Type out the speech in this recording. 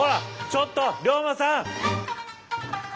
ちょっと龍馬さん！